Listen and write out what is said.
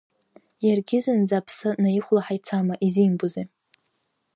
Иаргьы зынӡа аԥсы неихәлаҳа ицама, изимбозеи?